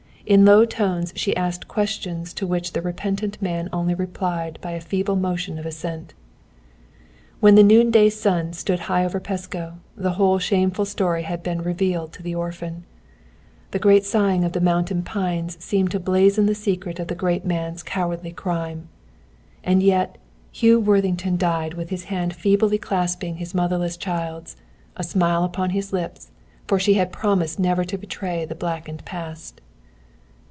In low tones she asked questions to which the repentant man replied only by a feeble motion of assent. When the noonday sun stood high over Pasco, the whole shameful story had been revealed to the orphan. The great sighing of the mountain pines seemed to blazen the secret of a great man's cowardly crime. And yet Hugh Worthington died with his hand feebly clasping his motherless child's, a smile upon his lips, for she had promised never to betray the blackened past.